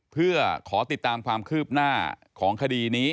เพื่อขอติดตามความคืบหน้าของคดีนี้